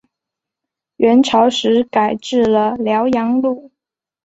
元朝时改置辽阳路。